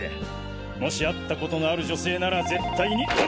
もし会ったことのある女性なら絶対に。